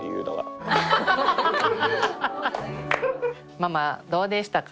ママどうでしたか？